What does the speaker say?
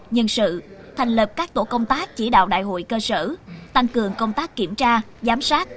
nhân sự thành lập các tổ công tác chỉ đạo đại hội cơ sở tăng cường công tác kiểm tra giám sát